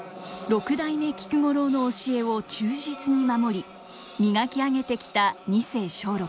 六代目菊五郎の教えを忠実に守り磨き上げてきた二世松緑。